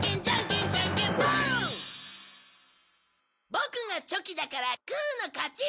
ボクがチョキだからグーの勝ち！